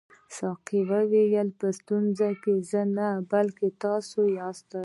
ساقي وویل په ستونزه کې زه نه بلکې تاسي یاست.